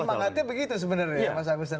semangatnya begitu sebenarnya ya mas agustin